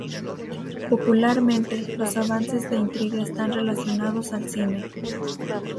Popularmente, los avances de intriga están relacionados al cine.